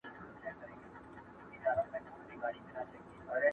خوري چي روزي خپله .